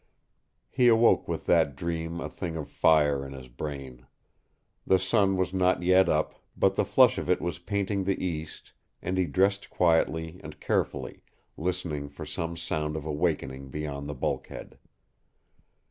He awoke with that dream a thing of fire in his brain. The sun was not yet up, but the flush of it was painting the east, and he dressed quietly and carefully, listening for some sound of awakening beyond the bulkhead.